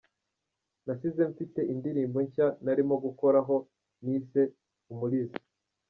Nasize mfite indirimbo nshya narimo gukoraho nise ‘Umulisa’.